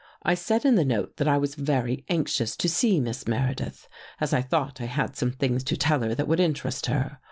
I said in the note that I was very anx ious to see Miss Meredith, as I thought I had some things to tell her that would interest her.